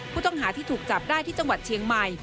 ผู้ต้องหาที่ถูกจับได้ที่จังหวัดเชียงใหม่